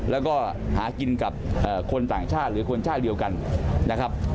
แล้วก็หากินกับคนต่างชาติหรือคนชาติเดียวกันนะครับ